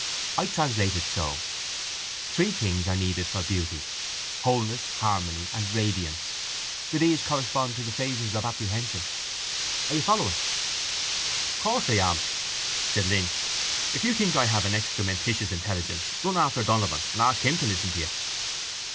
_ I translate it so: Three things are needed for beauty, wholeness, harmony and radiance. Do these correspond to the phases of apprehension? Are you following? —Of course, I am, said Lynch. If you think I have an excrementitious intelligence run after Donovan and ask him to listen to you.